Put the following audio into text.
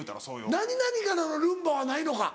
何々からのルンバはないのか？